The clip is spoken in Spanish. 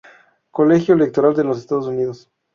Colegio Electoral de los Estados Unidos